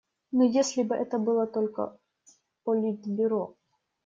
Но если бы это было только в Политбюро.